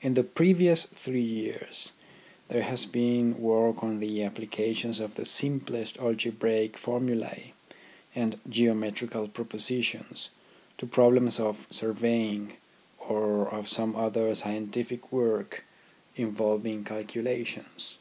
In the previous three years there has been work on the applications of the simplest algebraic formulae and geometrical pro positions to problems of surveying, or of some other scientific work involving calculations.